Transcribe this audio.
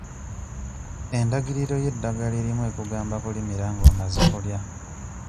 Endagiriro y'eddagala erimu ekugamba kulimira ng'omaze kulya.